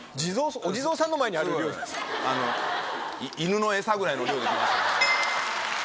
お地蔵さんの前にある量。ぐらいの量できました。